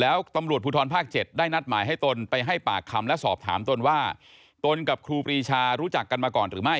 แล้วตำรวจภูทรภาค๗ได้นัดหมายให้ตนไปให้ปากคำและสอบถามตนว่าตนกับครูปรีชารู้จักกันมาก่อนหรือไม่